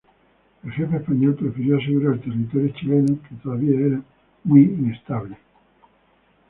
El jefe español prefirió asegurar el territorio chilenos que todavía era muy inestable.